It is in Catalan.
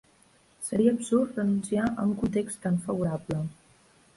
Seria absurd renunciar a un context tan favorable.